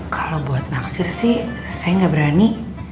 kalau buat naksir sih saya nggak berani